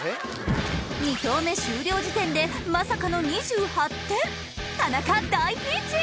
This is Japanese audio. ２投目終了時点でまさかの２８点田中大ピンチ！